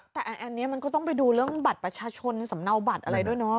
แต่อันนี้มันก็ต้องไปดูเรื่องบัตรประชาชนสำเนาบัตรอะไรด้วยเนาะ